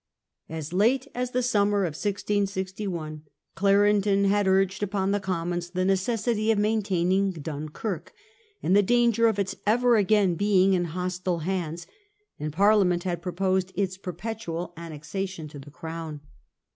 As late as the summer of 1661 Clarendon had urged upon the Commons the necessity of maintaining Dunkirk, Sale of and the danger of its ever again being in Dunkirk. hostile hands ; and Parliament had proposed its perpetual annexation to the Crown.